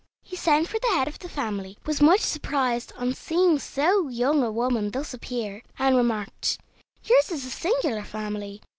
He sent for the head of the family, was much surprised on seeing so young a woman thus appear, and remarked: "Yours is a singular family.